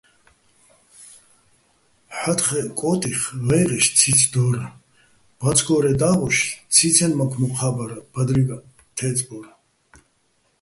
ჰ̦ა́თხეჸ კო́ტიხ ვა́ჲღეშ ციც დო́რ, ბაცგორეჼ და́ღოჩ ციცენმაქ მოჴა́ ბარ, ბადრიგო̆ თე́წბორ.